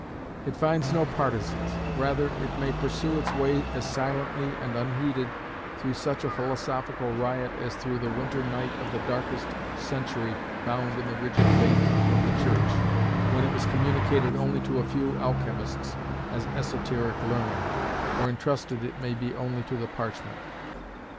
It finds no partisans; rather, it may pursue its way as silently and unheeded through such a philosophical riot as through the winter night of the darkest century bound in the rigid faith of the church, when it was communicated only to a few alchemists as esoteric learning, or entrusted it may be only to the parchment.